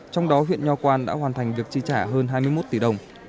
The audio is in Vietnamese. trong đó huyện nho quang đã hoàn thành việc chi trả hơn hai mươi một tỷ đồng